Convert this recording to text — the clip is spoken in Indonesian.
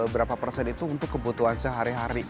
berapa persen itu untuk kebutuhan sehari hari